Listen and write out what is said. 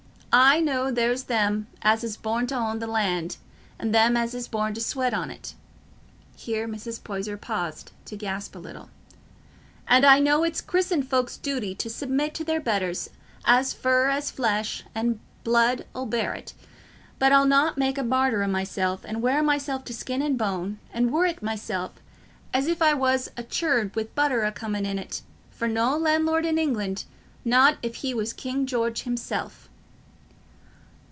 I know there's them as is born t' own the land, and them as is born to sweat on't"—here Mrs. Poyser paused to gasp a little—"and I know it's christened folks's duty to submit to their betters as fur as flesh and blood 'ull bear it; but I'll not make a martyr o' myself, and wear myself to skin and bone, and worret myself as if I was a churn wi' butter a coming in't, for no landlord in England, not if he was King George himself."